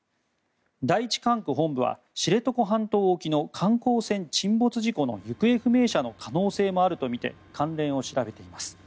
第１管区本部は知床半島沖の観光船沈没事故の行方不明者の可能性もあるとみて関連も調べています。